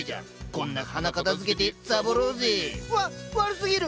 こんな花片づけてサボろうぜ。わ悪すぎる！